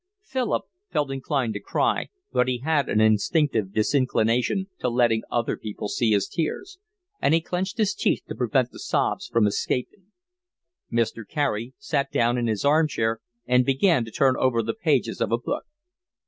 Philip felt inclined to cry, but he had an instinctive disinclination to letting other people see his tears, and he clenched his teeth to prevent the sobs from escaping. Mr. Carey sat down in his arm chair and began to turn over the pages of a book.